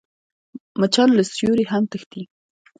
مچان له سیوري هم تښتي